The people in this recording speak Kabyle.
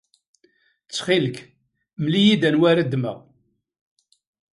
Ttxil-k, mel-iyi-d anwa ara ddmeɣ.